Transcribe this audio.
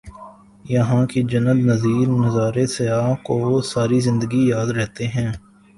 یہاں کے جنت نظیر نظارے سیاح کو ساری زندگی یاد رہتے ہیں